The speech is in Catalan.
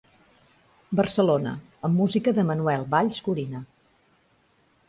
Barcelona, amb música de Manuel Valls Gorina.